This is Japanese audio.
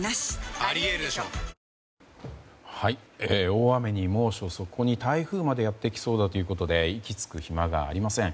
大雨に猛暑そこに台風までやってきそうだということで息つく暇がありません。